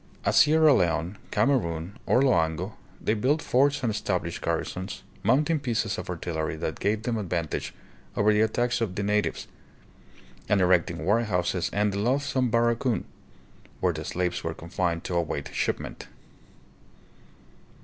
At Sierra Leone, Kamerun, or Loango, they built forts and established garrisons, mounting pieces of artillery that gave them advantage over the attacks of the natives, and erecting warehouses and the loathsome "barracoon," where the slaves were confined to await shipment.